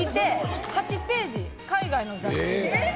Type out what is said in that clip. ８ページ海外の雑誌。